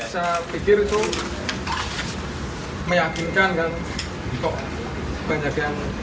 saya pikir itu meyakinkan dan penyakit yang